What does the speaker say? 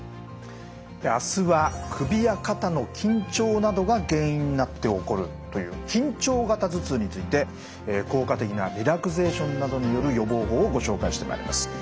明日は首や肩の緊張などが原因になって起こるという緊張型頭痛について効果的なリラクゼーションなどによる予防法をご紹介してまいります。